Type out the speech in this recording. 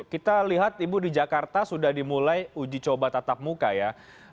kita lihat ibu di jakarta sudah dimulai uji coba tatap muka ya